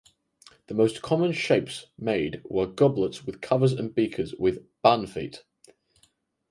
The most common shapes made were goblets with covers and beakers with "bun" feet.